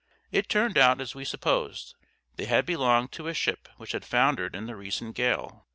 It turned out as we supposed; they had belonged to a ship which had foundered in the recent gale.